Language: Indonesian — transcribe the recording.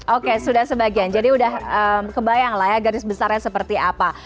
oke sudah sebagian jadi sudah kebayang lah ya garis besarnya seperti apa